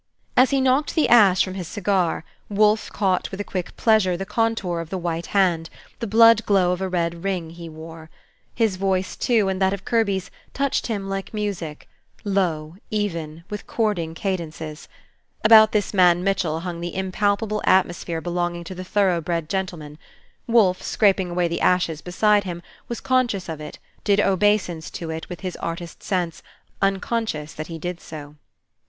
As he knocked the ashes from his cigar, Wolfe caught with a quick pleasure the contour of the white hand, the blood glow of a red ring he wore. His voice, too, and that of Kirby's, touched him like music, low, even, with chording cadences. About this man Mitchell hung the impalpable atmosphere belonging to the thoroughbred gentleman, Wolfe, scraping away the ashes beside him, was conscious of it, did obeisance to it with his artist sense, unconscious that he did so.